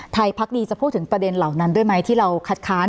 พักดีจะพูดถึงประเด็นเหล่านั้นด้วยไหมที่เราคัดค้าน